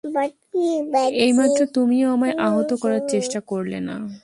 এইমাত্র তুমিও আমায় আহত করার চেষ্টা করলে না?